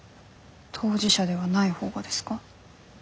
当事者ではない方がですか？